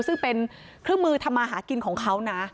ซึ่งเป็นเครื่องมือทำมาหากินของเขานะ